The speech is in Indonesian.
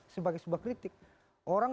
sebagai sebuah kritik orang